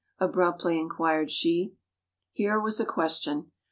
abruptly inquired she. Here was a question.